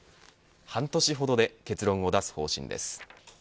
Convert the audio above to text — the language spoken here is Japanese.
半年ほどで結論を出す方針です。